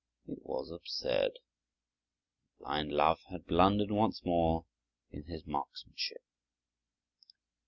It was absurd; and blind Love had blundered once again in his marksmanship.